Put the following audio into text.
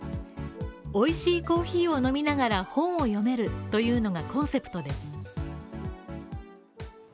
美味しいコーヒーを飲みながら本を読めるというのがコンセプトです。